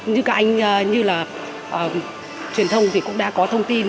như các anh như là truyền thông thì cũng đã có thông tin